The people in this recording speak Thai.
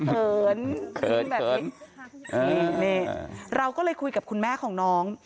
เขินแบบนี้นี่เราก็เลยคุยกับคุณแม่ของน้อง